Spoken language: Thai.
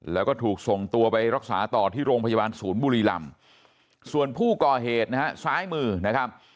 แล้วก็ถูกส่งตัวไปรักษาต่อที่โรงพยาบาลศูนย์บุรีลำส่วนผู้ก่อเหตุนะฮะซ้ายมือนะครับ